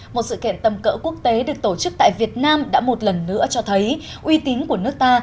một sự kiện tầm cỡ quốc tế được tổ chức tại việt nam đã một lần nữa cho thấy uy tín của nước ta